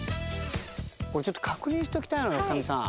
これちょっと確認しておきたいのよ深見さん。